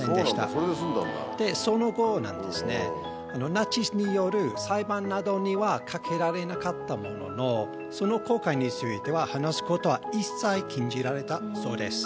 そうなんだ、それで済んだんその後、ナチスによる裁判などにはかけられなかったものの、その航海については話すことは一切禁じられたそうです。